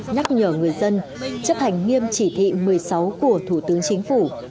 nhắc nhở người dân chấp hành nghiêm chỉ thị một mươi sáu của thủ tướng chính phủ